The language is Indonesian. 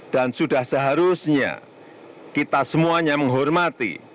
dan sudah seharusnya kita semuanya menghormati